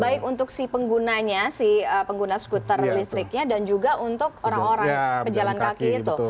baik untuk si penggunanya si pengguna skuter listriknya dan juga untuk orang orang pejalan kaki itu